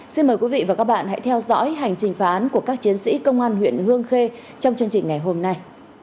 xin mời quý vị và các bạn hãy theo dõi hành trình phá án của các chiến sĩ công an huyện hương khê trong chương trình ngày hôm nay